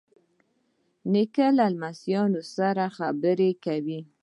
نیکه له لمسیانو سره خبرې کوي.